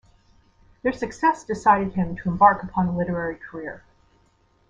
Their success decided him to embark upon a literary career.